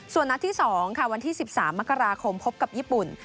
ส่วนนัดที่๒ค่ะวันที่๑๓มกราคมพบกับญี่ปุ่น